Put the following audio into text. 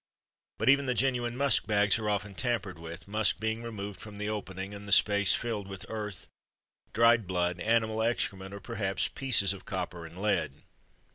But even the genuine musk bags are often tampered with; musk being removed from the opening and the space filled with earth, dried blood, animal excrement, or perhaps pieces of copper and lead.